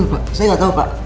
pak saya nggak tahu pak